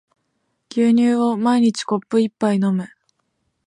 牛乳を毎日コップ一杯飲む